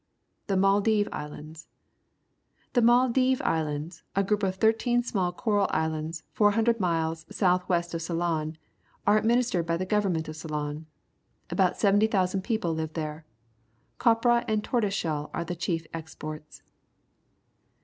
The Maldive Islands. — The M aldive Is Jojid^, a group of thirteen small coral islands 400 mile south west of Ceylon, are adminis tered by the government of Ceylon. About 70,000 people hve there. Copra _and toila^e ghelL are the chief exports.